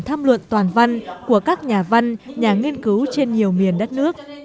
tham luận toàn văn của các nhà văn nhà nghiên cứu trên nhiều miền đất nước